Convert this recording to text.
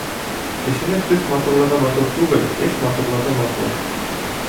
Кешенең төҫ матурлығы матур түгел, эш матурлығы матур.